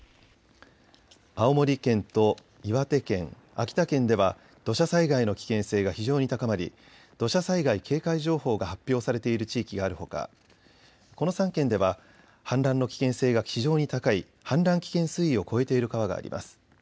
青森県と岩手県、秋田県では土砂災害の危険性が非常に高まり土砂災害警戒情報が発表されている地域があるほか、この３県では氾濫の危険性が非常に高い氾濫危険水位を超えている川があります。